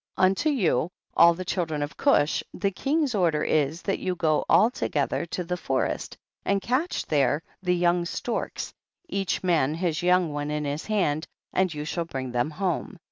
Unto you, all the children of Cush, the king's order is, that you go all together to the forest, and catch there the young storks each man his young one in his hand, and you shall bring them home.